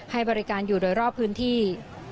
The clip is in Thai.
ให้บริการอยู่โดยรอบพื้นที่